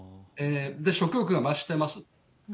食欲が増してます。